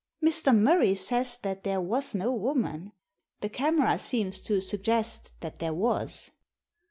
" Mr. Murray says that there was no woman ; the camera seems to suggest that there was."